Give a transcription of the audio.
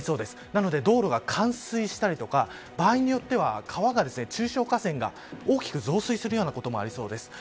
なので、道路が冠水したりとか場合によっては川が中小河川が、大きく増水することもありそうです。